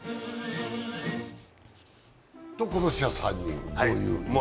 今年は３人という。